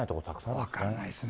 分からないですね。